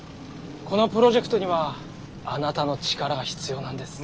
このプロジェクトにはあなたの力が必要なんです。